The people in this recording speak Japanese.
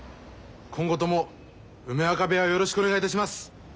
今後とも梅若部屋をよろしくお願いいたします。